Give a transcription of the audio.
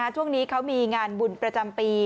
ช่วงนี้เขามีงานบุญประจำปี